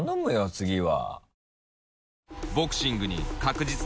次は。